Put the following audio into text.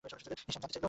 Hisham জানতে চাইল।